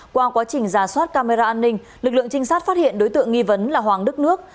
qua quá trình giả soát camera an ninh lực lượng trinh sát phát hiện đối tượng nghi vấn là hoàng đức nước